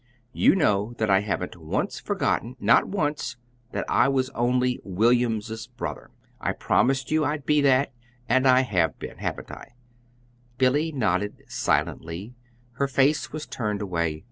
You know that I haven't once forgotten not once, that I was only William's brother. I promised you I'd be that and I have been; haven't I?" Billy nodded silently. Her face was turned away.